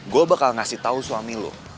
gue bakal ngasih tau suami lo